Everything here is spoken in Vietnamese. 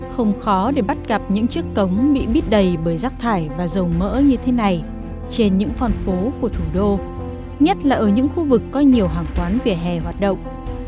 không khó để bắt gặp những chiếc cống bị bít đầy bởi rác thải và dầu mỡ như thế này trên những con phố của thủ đô nhất là ở những khu vực có nhiều hàng quán vỉa hè hoạt động